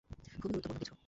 খুবই গুরুত্বপূর্ণ কিছু!